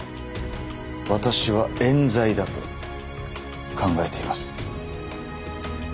私はえん罪だと考えています。